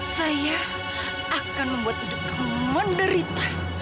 saya akan membuat hidup kamu menderita